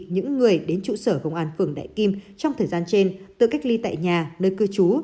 những người đến trụ sở công an phường đại kim trong thời gian trên tự cách ly tại nhà nơi cư trú